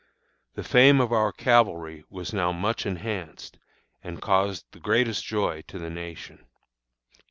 The fame of our cavalry was now much enhanced, and caused the greatest joy to the nation."